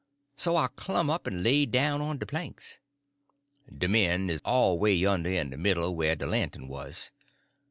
So I clumb up en laid down on de planks. De men 'uz all 'way yonder in de middle, whah de lantern wuz.